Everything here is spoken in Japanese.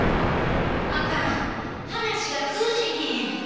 あかん話が通じひん。